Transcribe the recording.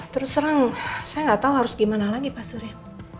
terus terang saya gak tau harus gimana lagi pak surya